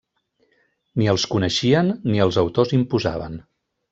Ni els coneixien ni els autors imposaven.